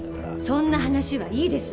そんな話はいいです。